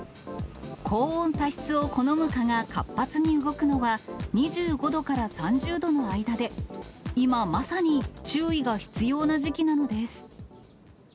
高温多湿を好むかが活発に動くのは、２５度から３０度の間で、今まさに注意が必要な時期なのです。